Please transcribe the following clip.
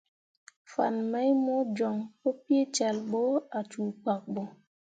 Fan mai mo joŋ pu peecal ɓo ah cuu pkak ɓo.